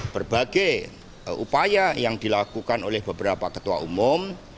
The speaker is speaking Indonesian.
berbagai upaya yang dilakukan oleh beberapa ketua umum